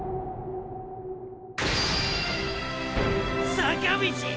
坂道！